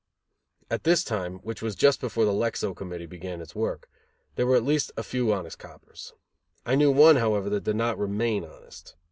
At this time, which was just before the Lexow Committee began its work, there were at least a few honest coppers. I knew one, however, that did not remain honest.